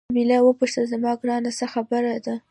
جميله وپوښتل زما ګرانه څه خبره ده.